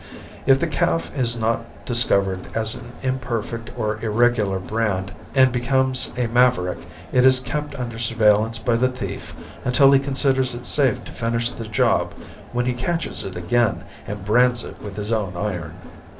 If the calf is not discovered as an imperfect or irregular brand and becomes a maverick, it is kept under surveillance by the thief until he considers it safe to finish the job when he catches it again and brands it with his own iron.